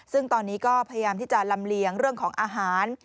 ซึ่งตอนนี้ก็พยายามที่จะลำเลียงเรื่องของอาหาร